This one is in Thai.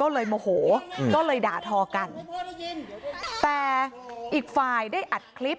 ก็เลยโมโหก็เลยด่าทอกันแต่อีกฝ่ายได้อัดคลิป